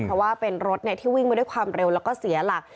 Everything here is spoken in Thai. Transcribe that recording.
เพราะว่าเป็นรถที่วิ่งมาด้วยความเร็วแล้วก็เสียหลัก